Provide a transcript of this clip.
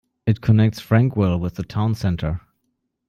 It connects Frankwell with the town centre.